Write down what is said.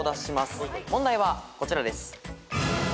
問題はこちらです。